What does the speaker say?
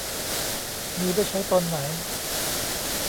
มีไว้ใช้ตอนไหน